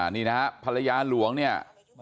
นี่นะฮะภรรยาหลวงเนี่ย